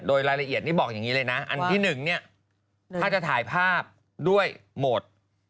โดยรายละเอียดนี่บอกอย่างนี้เลยนะอันที่๑เนี่ยถ้าจะถ่ายภาพด้วยโหมด